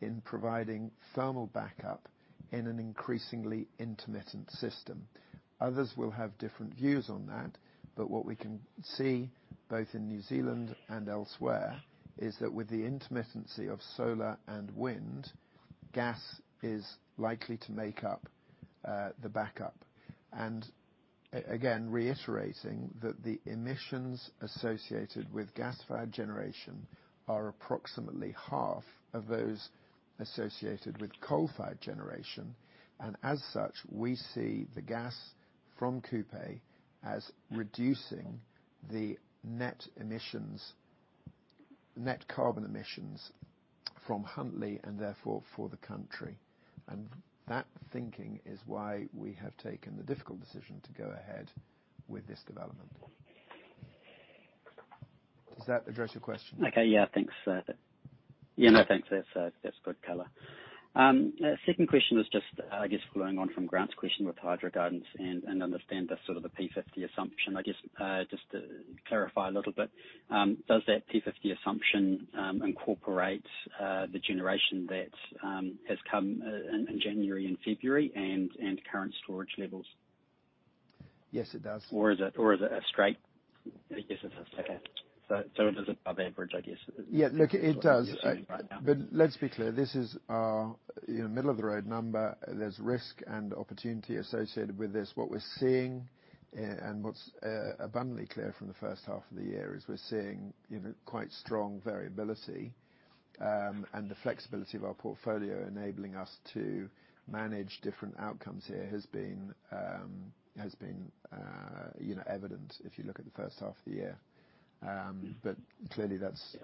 in providing thermal backup in an increasingly intermittent system. Others will have different views on that, what we can see both in New Zealand and elsewhere is that with the intermittency of solar and wind, gas is likely to make up the backup. Again, reiterating that the emissions associated with gas-fired generation are approximately half of those associated with coal-fired generation. As such, we see the gas from Kupe as reducing the net carbon emissions from Huntly and therefore for the country. That thinking is why we have taken the difficult decision to go ahead with this development. Does that address your question? Okay, yeah. Thanks. Yeah, no, thanks. That's, that's good color. Second question was just, I guess, following on from Grant's question with hydro gardens and understand the sort of the P50 assumption. I guess, just to clarify a little bit, does that P50 assumption incorporate the generation that has come in January and February and current storage levels? Yes, it does. Is it? I guess it does. Okay. It is above average, I guess. Yeah. Look, it does. Let's be clear. This is our middle of the road number. There's risk and opportunity associated with this. What we're seeing, and what's abundantly clear from the first half of the year is we're seeing, you know, quite strong variability. And the flexibility of our portfolio enabling us to manage different outcomes here has been, you know, evident if you look at the first half of the year. Clearly that's,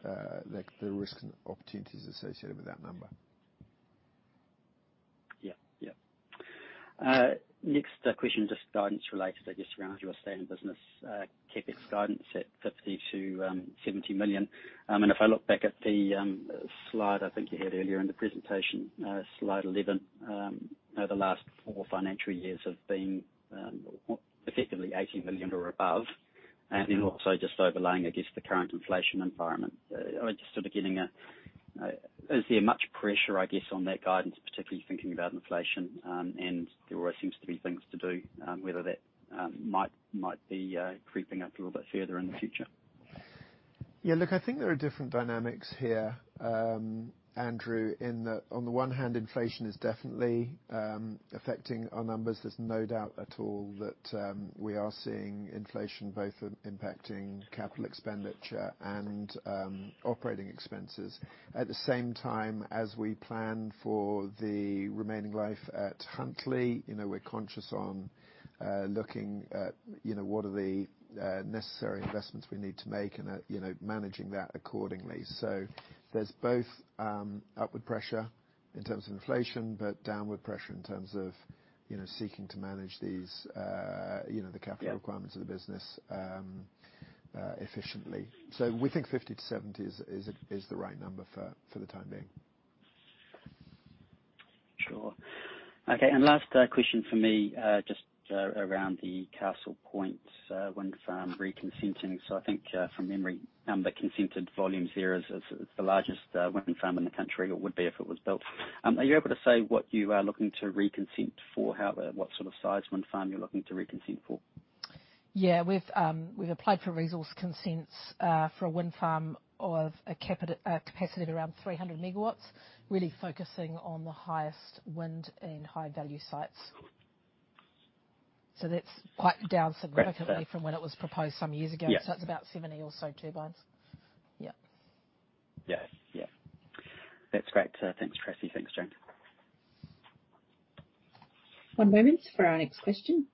like, the risks and opportunities associated with that number. Yeah. Yeah. Next question, just guidance related, I guess, around your same business, CapEx guidance at 50 million-70 million. If I look back at the slide I think you had earlier in the presentation, Slide 11, over the last four financial years have been effectively 18 million or above. Then also just overlaying, I guess, the current inflation environment, just sort of getting, is there much pressure, I guess, on that guidance, particularly thinking about inflation, and there always seems to be things to do, whether that might be creeping up a little bit further in the future? Yeah. Look, I think there are different dynamics here, Andrew, in that on the one hand, inflation is definitely affecting our numbers. There's no doubt at all that we are seeing inflation both impacting capital expenditure and operating expenses. At the same time, as we plan for the remaining life at Huntly, you know, we're conscious on looking at, you know, what are the necessary investments we need to make and, you know, managing that accordingly. There's both upward pressure in terms of inflation, but downward pressure in terms of, you know, seeking to manage these, you know, the capital requirements. Yeah. Of the business, efficiently. We think 50 million-70 million is the right number for the time being. Sure. Okay. Last question for me, just around the Castle Hill Wind Farm reconsenting. I think from memory, the consented volumes there is the largest wind farm in the country or would be if it was built. Are you able to say what you are looking to reconsent for? How what sort of size wind farm you're looking to reconsent for? Yeah. We've applied for resource consents for a wind farm of a capacity of around 300 MW, really focusing on the highest wind and high-value sites. That's quite down significantly. Great. From when it was proposed some years ago. Yes. It's about 70 or so turbines. Yeah. Yeah. Yeah. That's great. Thanks, Tracey. Thanks, James. One moment for our next question.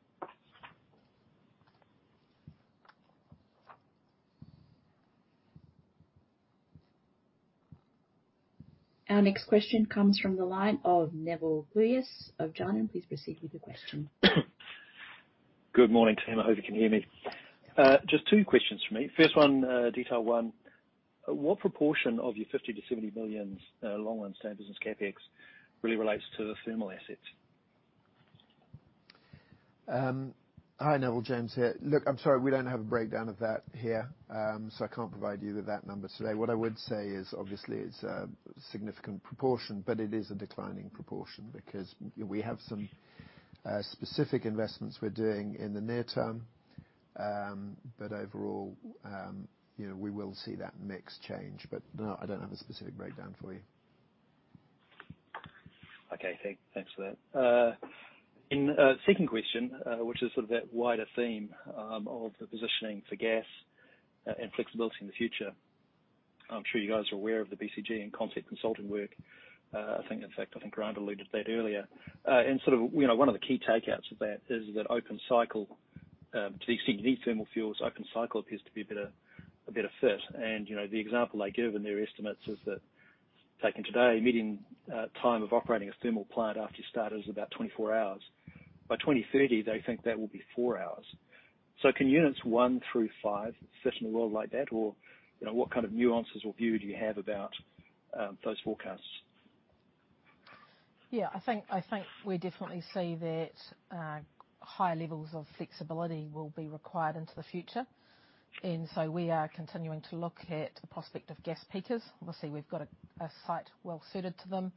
Our next question comes from the line of Nevill Gluyas of Jarden. Please proceed with your question. Good morning to you. I hope you can hear me. Just two questions from me. First one, detail one. What proportion of your 50 million-70 million long run standard business CapEx really relates to the thermal assets? Hi, Nevill. James here. Look, I'm sorry, we don't have a breakdown of that here, so I can't provide you with that number today. What I would say is obviously it's a significant proportion, but it is a declining proportion because we have some specific investments we're doing in the near term. Overall, you know, we will see that mix change. No, I don't have a specific breakdown for you. Okay, thanks for that. In second question, which is sort of that wider theme of the positioning for gas and flexibility in the future. I'm sure you guys are aware of the BCG and Concept Consulting work. I think, in fact, I think Grant alluded to that earlier. Sort of, you know, one of the key takeouts of that is that open cycle, to the extent you need thermal fuels, open cycle appears to be a better fit. You know, the example they give in their estimates is that taken today, median time of operating a thermal plant after you start is about 24 hours. By 2030, they think that will be four hours. Can Units 1-5 sit in a world like that? You know, what kind of nuances or view do you have about those forecasts? Yeah, I think we definitely see that high levels of flexibility will be required into the future. We are continuing to look at the prospect of gas peakers. Obviously, we've got a site well suited to them.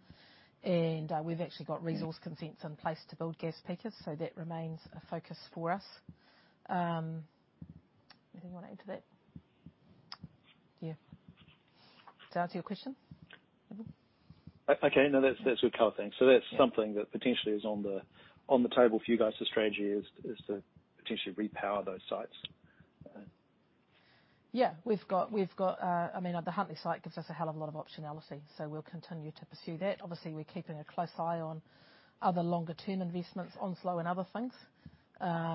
We've actually got resource consents in place to build gas peakers. That remains a focus for us. Anything you wanna add to that? Does that answer your question, Nevill? Okay. No, that's good color, thanks. Yeah. That's something that potentially is on the table for you guys. The strategy is to potentially repower those sites. We've got, I mean, the Huntly site gives us a hell of a lot of optionality, so we'll continue to pursue that. Obviously, we're keeping a close eye on other longer term investments on slow and other things. Yeah,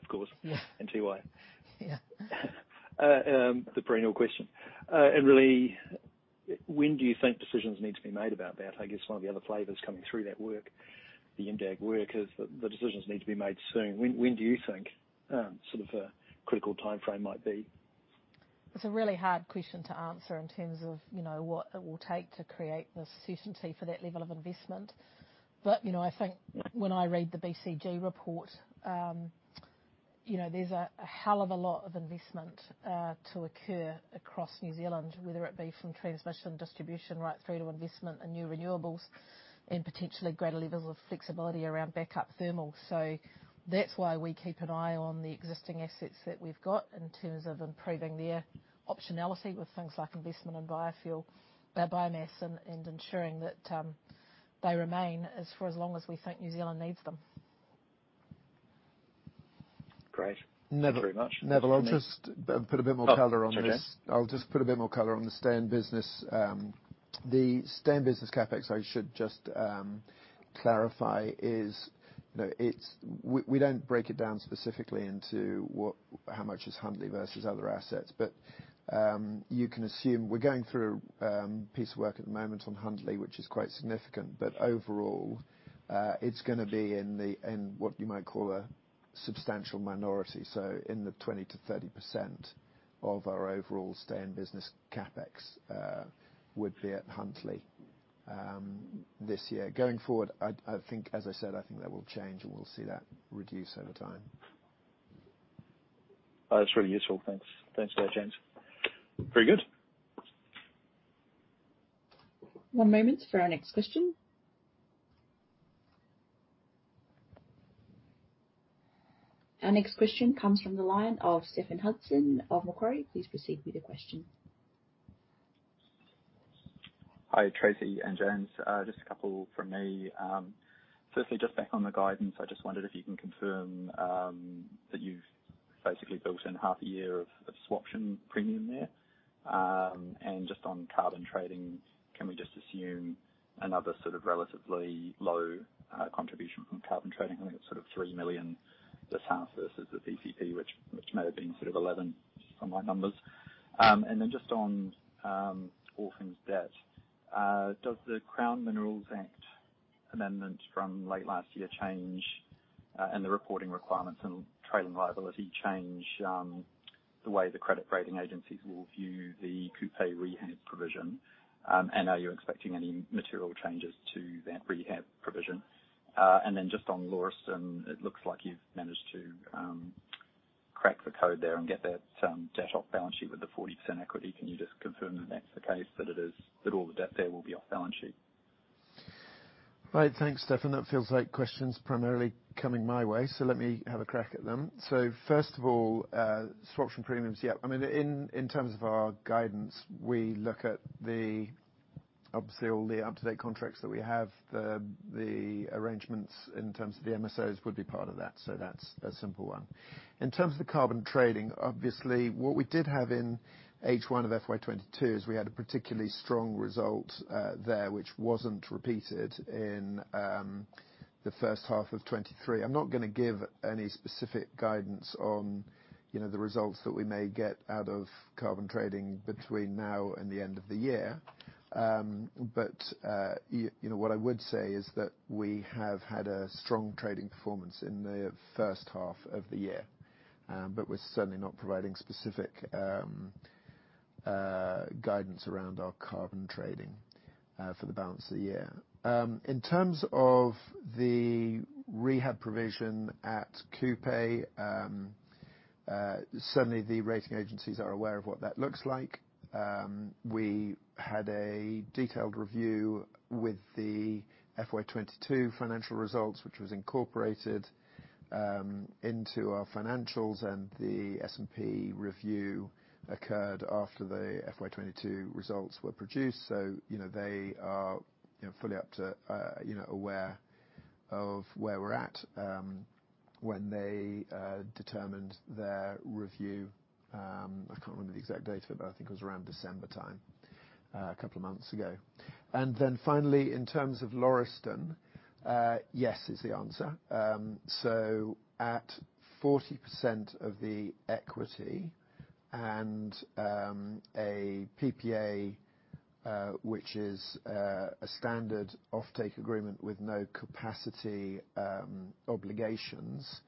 of course. Yeah. Yeah. The perennial question. Really, when do you think decisions need to be made about that? I guess one of the other flavors coming through that work, the MDAG work, is the decisions need to be made soon. When do you think, sort of a critical timeframe might be? It's a really hard question to answer in terms of, you know, what it will take to create the certainty for that level of investment. You know, I think when I read the BCG report, you know, there's a hell of a lot of investment to occur across New Zealand, whether it be from transmission distribution right through to investment in new renewables and potentially greater levels of flexibility around backup thermal. That's why we keep an eye on the existing assets that we've got in terms of improving their optionality with things like investment in biofuel, biomass and ensuring that they remain as, for as long as we think New Zealand needs them. Great. Nevill. Thank you very much. Nevill, I'll just put a bit more color on this. Oh, sure, yeah. I'll just put a bit more color on the stay in business. The stay in business CapEx, I should just clarify is, you know, we don't break it down specifically into how much is Huntly versus other assets. You can assume we're going through a piece of work at the moment on Huntly, which is quite significant. Overall, it's gonna be in what you might call a substantial minority. In the 20%-30% of our overall stay in business CapEx would be at Huntly this year. Going forward, I think, as I said, I think that will change, and we'll see that reduce over time. Oh, it's really useful. Thanks. Thanks for that, James. Very good. One moment for our next question. Our next question comes from the line of Stephen Hudson of Macquarie. Please proceed with your question. Hi, Tracey and James. Just a couple from me. Firstly, just back on the guidance, I just wondered if you can confirm that you've basically built in half a year of swaption premium there. Just on carbon trading, can we just assume another sort of relatively low contribution from carbon trading? I think it's sort of 3 million this half versus the PCP, which may have been sort of 11 from my numbers. Then just on all things debt, does the Crown Minerals Act amendment from late last year change, and the reporting requirements and trading liability change the way the credit rating agencies will view the Kupe rehab provision? Are you expecting any material changes to that rehab provision? Just on Lauriston, it looks like you've managed to crack the code there and get that debt off balance sheet with the 40% equity. Can you just confirm that that's the case, that all the debt there will be off balance sheet? Right. Thanks, Stephen. That feels like questions primarily coming my way, so let me have a crack at them. First of all, swaption premiums, yeah. I mean, in terms of our guidance, we look at obviously all the up-to-date contracts that we have. The arrangements in terms of the MSOs would be part of that, so that's a simple one. In terms of the carbon trading, obviously, what we did have in H1 of FY 2022 is we had a particularly strong result there, which wasn't repeated in the first half of 2023. I'm not gonna give any specific guidance on, you know, the results that we may get out of carbon trading between now and the end of the year. You know, what I would say is that we have had a strong trading performance in the first half of the year. We're certainly not providing specific guidance around our carbon trading for the balance of the year. In terms of the rehab provision at Kupe, certainly the rating agencies are aware of what that looks like. We had a detailed review with the FY 2022 financial results, which was incorporated into our financials, and the S&P review occurred after the FY 2022 results were produced. You know, they are, you know, fully up to, you know, aware of where we're at when they determined their review. I can't remember the exact date of it, but I think it was around December time, a couple of months ago. Finally, in terms of Lauriston, yes is the answer. At 40% of the equity and a PPA, which is a standard offtake agreement with no capacity obligations,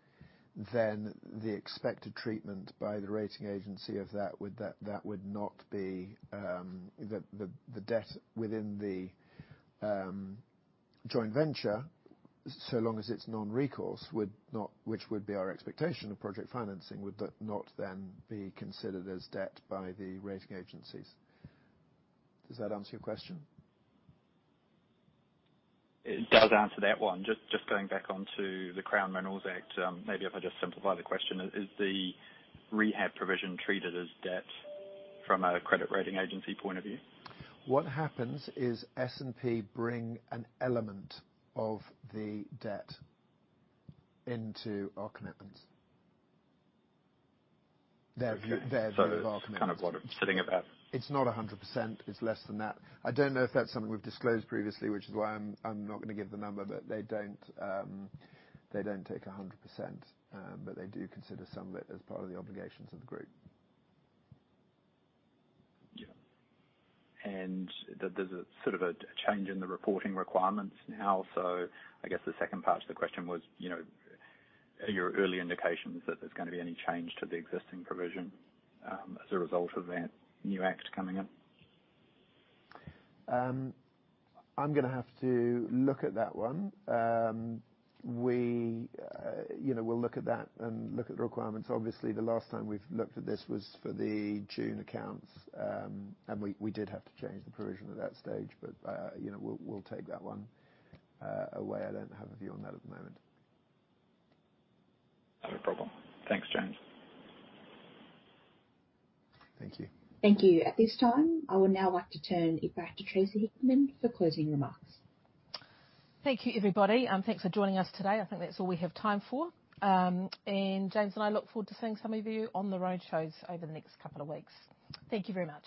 then the expected treatment by the rating agency of that would not be the debt within the joint venture, so long as it's non-recourse, would not, which would be our expectation of project financing, would that not then be considered as debt by the rating agencies. Does that answer your question? It does answer that one. Just going back onto the Crown Minerals Act, maybe if I just simplify the question, is the rehab provision treated as debt from a credit rating agency point of view? What happens is S&P bring an element of the debt into our commitments. Okay. Their view of our commitments. It's kind of what I'm sitting about. It's not 100%. It's less than that. I don't know if that's something we've disclosed previously, which is why I'm not gonna give the number. They don't take 100%. They do consider some of it as part of the obligations of the group. Yeah. There's a sort of a change in the reporting requirements now. I guess the second part to the question was, you know, are your early indications that there's gonna be any change to the existing provision, as a result of that new act coming up? I'm gonna have to look at that one. We, you know, we'll look at that and look at the requirements. Obviously, the last time we've looked at this was for the June accounts, and we did have to change the provision at that stage. You know, we'll take that one away. I don't have a view on that at the moment. No problem. Thanks, James. Thank you. Thank you. At this time, I would now like to turn it back to Tracey Hickman for closing remarks. Thank you, everybody. Thanks for joining us today. I think that's all we have time for. James and I look forward to seeing some of you on the roadshows over the next couple of weeks. Thank you very much.